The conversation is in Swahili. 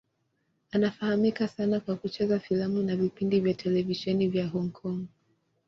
Anafahamika sana kwa kucheza filamu na vipindi vya televisheni vya Hong Kong.